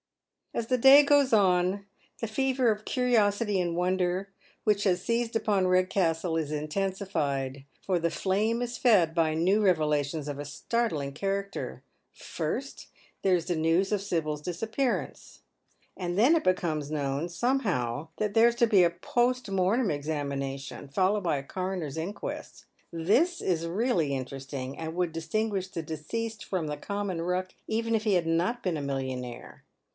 As the day goes on the fever of curiosity and wonder which has seized upon Eedcastle is intensified, for the flame is fed by new revelations of a startling character. First there is the news of Sibyl's disappearance : and then it becomes known somehow that there is to be a post mortem examination, followed by a coroner's inquest. This is really interesting, and would distinguish the deceased from the common ruck even if he had not been a millionaire.